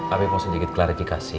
api mau sejigit klarifikasi